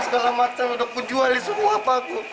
segala macam udah kujualin semua pak